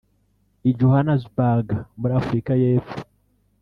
i Johannesburg muri Afurika y’Epfo